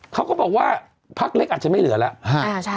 เขาก็บอกว่าพักเล็กอาจจะไม่เหลือแล้ว